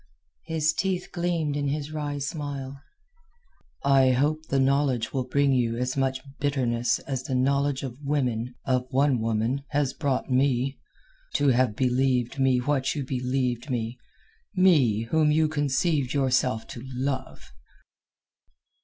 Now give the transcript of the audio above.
His teeth gleamed in his wry smile. "I hope the knowledge will bring you as much bitterness as the knowledge of women—of one woman—has brought me. To have believed me what you believed me—me whom you conceived yourself to love!"